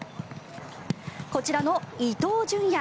こちらの伊東純也。